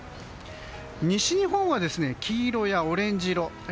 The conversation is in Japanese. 西日本は、黄色やオレンジ色。